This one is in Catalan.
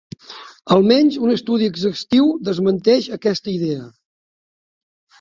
Almenys un estudi exhaustiu desmenteix aquesta idea.